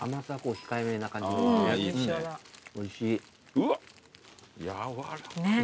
うわっ！